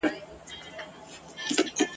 ځکه چي موږ امام بدلوو مګر ایمان نه بدلوو ..